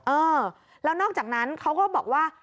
เออแล้วนอกจากนั้นเขาก็บอกว่า